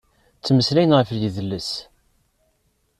Ttmeslayen ɣef yedles